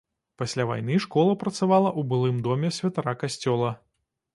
Пасля вайны школа працавала ў былым доме святара касцёла.